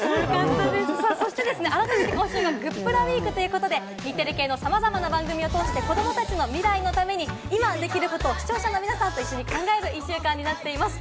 改めて、今週はグップラウィークということで、日テレ系のさまざまな番組を通して、子どもたちの未来のために今、できることを視聴者の皆さんと一緒に考える１週間となっています。